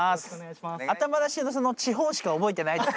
頭出しの地方しか覚えてないです。